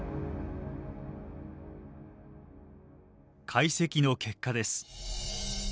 解析の結果です。